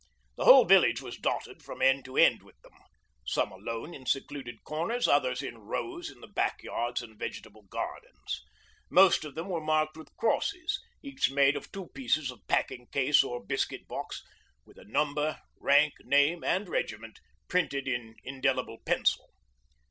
The whole village was dotted from end to end with them, some alone in secluded corners, others in rows in the backyards and vegetable gardens. Most of them were marked with crosses, each made of two pieces of packing case or biscuit box, with a number, rank, name, and regiment printed in indelible pencil.